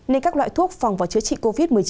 nên các loại thuốc phòng vào chữa trị covid một mươi chín